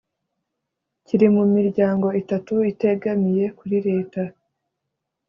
kiri mu miryango itatu itegamiye kuri leta